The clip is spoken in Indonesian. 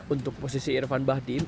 untuk posisi irfan bahdim